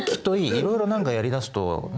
いろいろ何かやりだすとねっ。